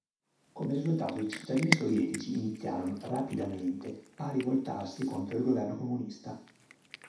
Come risultato, i cittadini sovietici iniziarono, rapidamente, a rivoltarsi contro il governo comunista.